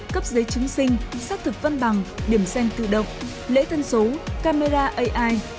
cấp giấy chứng sinh xác thực văn bằng điểm xanh tự động lễ tân số camera ai